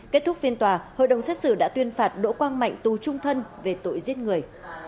kết thúc phiên tòa hội đồng xét xử đã tuyên phạt đỗ quang mạnh tù trung thân về tội giết người